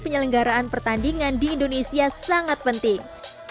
penyelenggaraan pertandingan di indonesia sangat penting